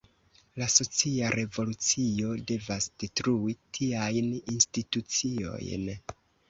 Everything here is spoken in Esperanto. La socia revolucio devas detrui tiajn instituciojn.